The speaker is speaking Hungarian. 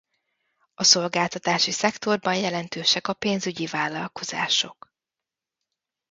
A szolgáltatási szektorban jelentősek a pénzügyi vállalkozások.